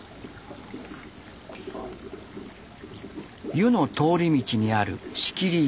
湯の通り道にある仕切り板。